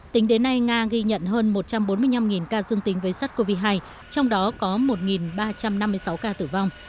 tính đến nay nga ghi nhận hơn một trăm bốn mươi năm ca dương tính với sars cov hai trong đó có một ba trăm năm mươi sáu ca tử vong